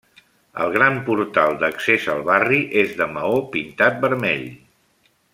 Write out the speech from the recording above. El gran portal d'accés al barri és de maó pintat vermell.